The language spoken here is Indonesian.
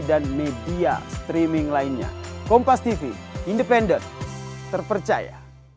dan ini adalah penyelidikan yang dilakukan oleh kompas tv